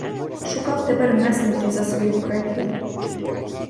Шукав тепер месників за свою кривду.